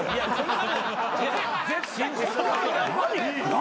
何？